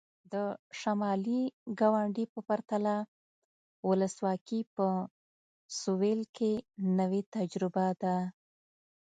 د شمالي ګاونډي په پرتله ولسواکي په سوېل کې نوې تجربه ده.